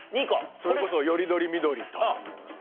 それこそよりどりみどりとＤですね。